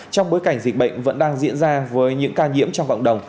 trong bối cảnh dịch bệnh vẫn đang diễn ra với những ca nhiễm trong cộng đồng